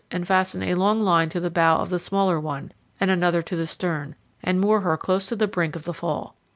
and fasten a long line to the bow of the smaller one, and another to the stern, and moor her close to the brink of the fall.